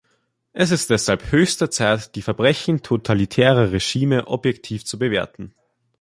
Es ist deshalb höchste Zeit, die Verbrechen totalitärer Regime objektiv zu bewerten.